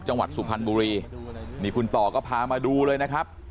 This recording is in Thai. จังหวัดสุพรรณบุรีนี่คุณต่อก็พามาดูเลยนะครับ